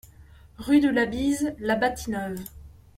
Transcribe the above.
Rue de la Bise, La Bâtie-Neuve